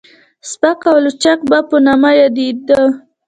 سپک او لچک به په نامه يادېده.